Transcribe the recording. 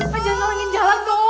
pak jangan ngelenggin jalan dong